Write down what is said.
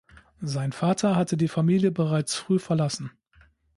Sein Vater hatte die Familie bereits früh verlassen.